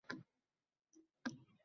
Kobuldan Toshkentga aviareys uchib keldi